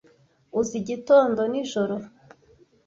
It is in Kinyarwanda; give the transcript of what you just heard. Uzi igitondo nijoro,